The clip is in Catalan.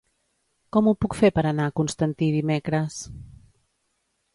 Com ho puc fer per anar a Constantí dimecres?